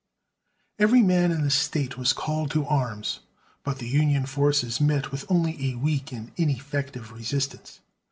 Every man in the state was called to arms, but the Union forces met with only a weak and ineffective resistance.